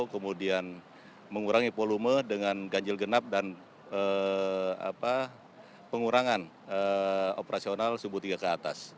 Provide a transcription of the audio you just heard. kemudian mengurangi volume dengan ganjil genap dan pengurangan operasional sumbu tiga ke atas